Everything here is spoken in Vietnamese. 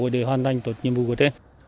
và hơn chín trường hợp f một